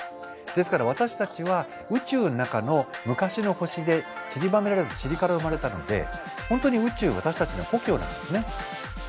ですから私たちは宇宙の中の昔の星でちりばめられたちりから生まれたので本当に宇宙私たちの故郷なんですね。